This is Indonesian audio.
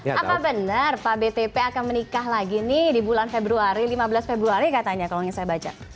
apa benar pak btp akan menikah lagi nih di bulan februari lima belas februari katanya kalau saya baca